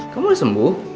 kamu udah sembuh